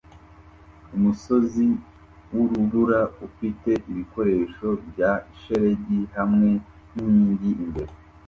Umusozi wurubura ufite ibikoresho bya shelegi hamwe ninkingi imbere